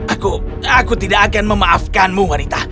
aku aku tidak akan memaafkanmu wanita